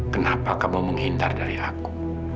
kenapa kamu menghindar dari aku